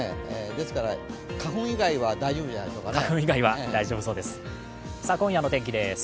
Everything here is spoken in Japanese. ですから花粉以外は大丈夫じゃないでしょうかね。